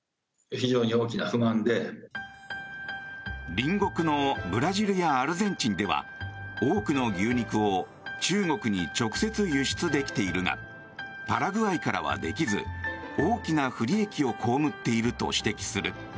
隣国のブラジルやアルゼンチンでは多くの牛肉を中国に直接輸出できているがパラグアイからはできず大きな不利益を被っていると指摘する。